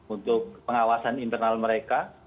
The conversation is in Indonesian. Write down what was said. untuk pengawasan internal mereka